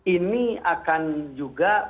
ini akan juga